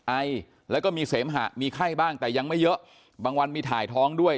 ไอแล้วก็มีเสมหะมีไข้บ้างแต่ยังไม่เยอะบางวันมีถ่ายท้องด้วย